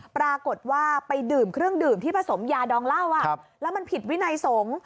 ปรากฏว่าไปดื่มเครื่องดื่มที่ผสมยาดองเหล้าแล้วมันผิดวินัยสงฆ์